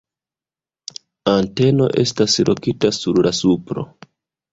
Anteno estas lokita sur la supro.